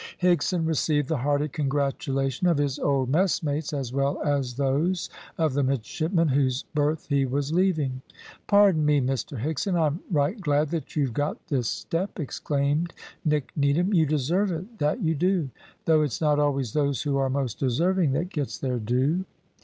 Higson received the hearty congratulation of his old messmates as well as those of the midshipmen whose berth he was leaving. "Pardon me, Mr Higson, I'm right glad that you've got this step," exclaimed Dick Needham, "you deserve it, that you do; though it's not always those who are most deserving that gets their due."